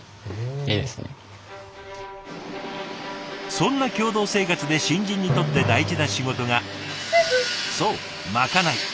そんな共同生活で新人にとって大事な仕事がそうまかない。